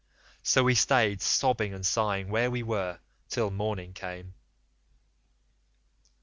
So we stayed sobbing and sighing where we were till morning came.